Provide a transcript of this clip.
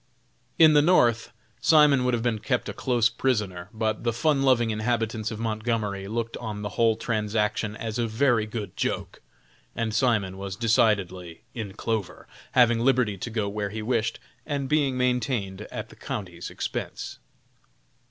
In the North, Simon would have been kept a close prisoner; but the fun loving inhabitants of Montgomery looked on the whole transaction as a very good joke, and Simon was decidedly "in clover," having liberty to go where he wished, and being maintained at the county's expense.